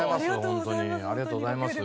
ホントにありがとうございます。